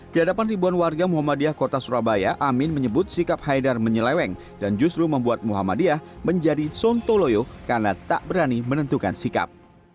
di hadapan ribuan warga muhammadiyah kota surabaya amin menyebut sikap haidar menyeleweng dan justru membuat muhammadiyah menjadi sontoloyo karena tak berani menentukan sikap